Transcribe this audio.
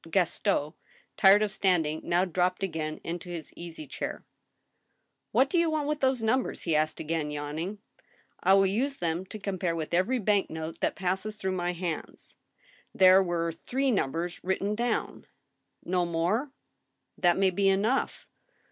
Gaston, tired of standing, now dropped again into his easy chair. " What do you want with those numbers ?" he asked, again yawning. " I will use them to compare with every bank note that passes through my hands. ... There were three numbers written down." " No more ?"" That may be enough."